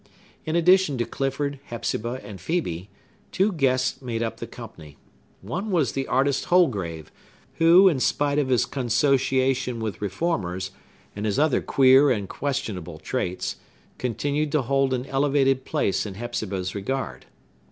In addition to Clifford, Hepzibah, and Phœbe, two guests made up the company. One was the artist Holgrave, who, in spite of his consociation with reformers, and his other queer and questionable traits, continued to hold an elevated place in Hepzibah's regard.